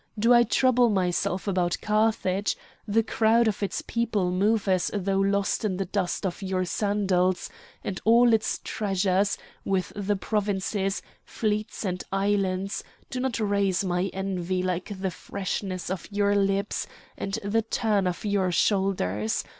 Do I trouble myself about Carthage! The crowd of its people move as though lost in the dust of your sandals, and all its treasures, with the provinces, fleets, and islands, do not raise my envy like the freshness of your lips and the turn of your shoulders.